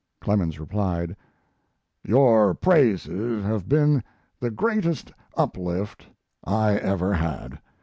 Clemens replied: Your praises have been the greatest uplift I ever had.